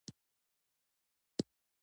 د پولیس لوري ته یې ځان برابر کړ.